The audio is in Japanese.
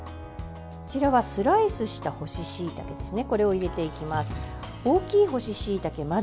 こちらはスライスした干ししいたけですね